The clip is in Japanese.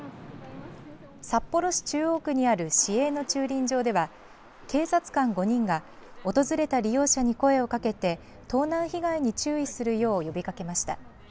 札幌市中央区にある市営の駐輪場では警察官５人が訪れた利用者に声をかけて盗難被害に注意するよう呼びかけました。